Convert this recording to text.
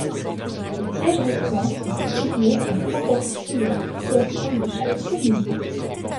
Les sièges restants sont attribués en proportion de la population de chaque commune.